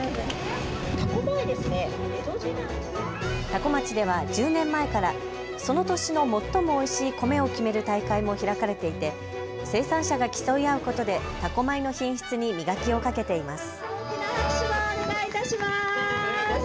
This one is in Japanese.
多古町では１０年前からその年の最もおいしい米を決める大会も開かれていて生産者が競い合うことで多古米の品質に磨きをかけています。